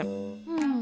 うん。